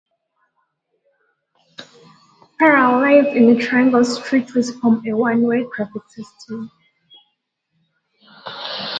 Par lies in a triangle of streets which form a one-way traffic system.